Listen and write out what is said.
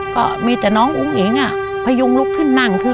ก็มีแต่น้องอุ้งอิ๋งพยุงลุกขึ้นนั่ง